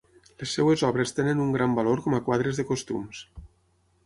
Les seves obres tenen un gran valor com a quadres de costums.